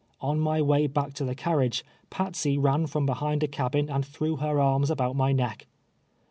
On my way back to the carriage, Patsey ran from behind a caltin and threw her arms about my neck.